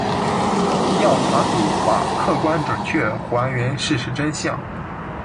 调查组把客观准确还原事实真相